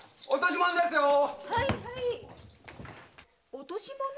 落とし物？